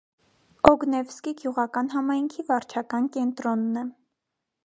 Օգնևսկի գյուղական համայնքի վարչական կենտրոնն է։